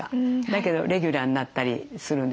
だけどレギュラーになったりするんですね